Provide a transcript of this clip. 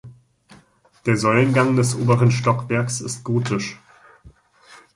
Der Säulengang des oberen Stockwerks ist gotisch.